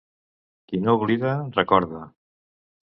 Qui no oblida, recorda.